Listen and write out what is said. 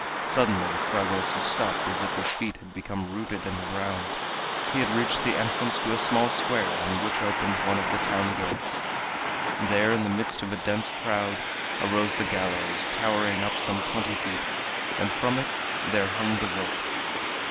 Suddenly Fragoso stopped as if his feet had become rooted in the ground. He had reached the entrance to a small square, on which opened one of the town gates. There, in the midst of a dense crowd, arose the gallows, towering up some twenty feet, and from it there hung the rope!